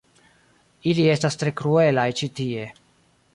Ili estas tre kruelaj ĉi tie